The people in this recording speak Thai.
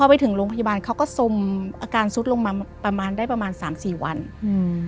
ไปถึงโรงพยาบาลเขาก็สมอาการซุดลงมาประมาณได้ประมาณสามสี่วันอืม